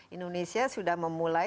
indonesia sudah memulai